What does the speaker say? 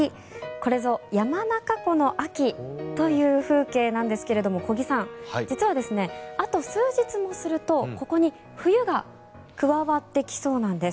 これぞ山中湖の秋という風景なんですけれども小木さん、実はあと数日もするとここに冬が加わってきそうなんです。